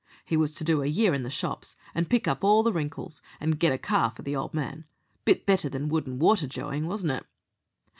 He was to do a year in the shops, and pick up all the wrinkles, and get a car for the old man. Bit better than wood and water joeying, wasn't it?"